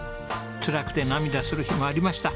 つらくて涙する日もありました。